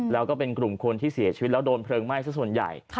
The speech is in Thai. แล้วก็เป็นกลุ่มคนที่เสียชีวิตแล้วโดนเพลิงไหม้สักส่วนใหญ่